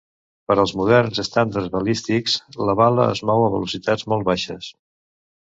Per als moderns estàndards balístics, la bala es mou a velocitats molt baixes.